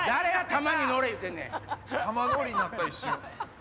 玉乗りになった一瞬。